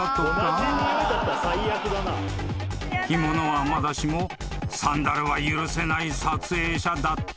［干物はまだしもサンダルは許せない撮影者だった］